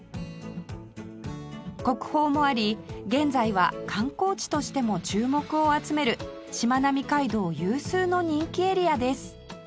国宝もあり現在は観光地としても注目を集めるしまなみ海道有数の人気エリアです